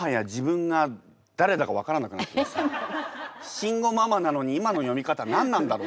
もはや慎吾ママなのに今の読み方何なんだろう。